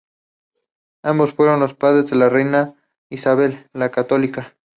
Ambos fueron los padres de la reina Isabel la Católica.